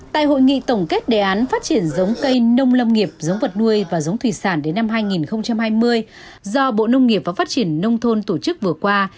tại hội nghị tổng kết đề án phát triển giống cây nông lâm nghiệp giống vật nuôi và giống thủy sản đến năm hai nghìn hai mươi do bộ nông nghiệp và phát triển nông thôn tổ chức vừa qua